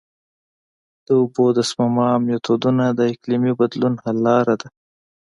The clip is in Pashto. د اوبو د سپما میتودونه د اقلیمي بدلون حل لاره ده.